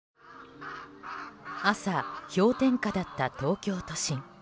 朝、氷点下だった東京都心。